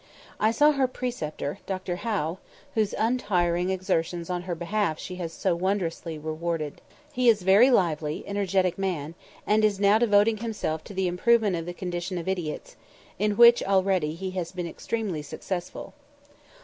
I saw her preceptor, Dr. Howe, whose untiring exertions on her behalf she has so wonderfully rewarded. He is a very lively, energetic man, and is now devoting himself to the improvement of the condition of idiots, in which already he has been extremely successful.